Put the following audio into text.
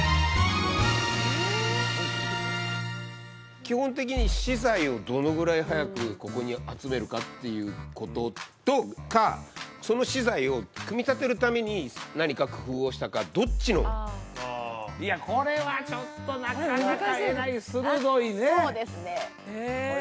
基本的に資材をどのぐらい早くここに集めるかっていうことかその資材を組み立てるために何か工夫をしたかどっちのいやこれはちょっとなかなかえらい鋭いねそうですねええ